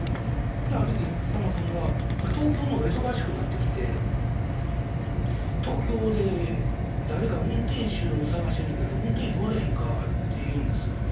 である時さんまさんが東京の方が忙しくなってきて「東京で誰か運転手を探してんねんけど運転手おれへんか？」って言うんです。